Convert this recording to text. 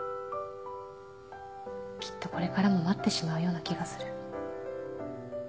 きっとこれからも待ってしまうような気がする